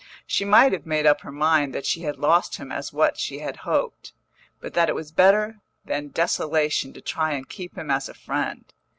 She might have made up her mind that she had lost him as what she had hoped, but that it was better than desolation to try and keep him as a friend.